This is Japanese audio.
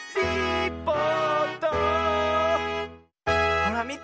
ほらみて。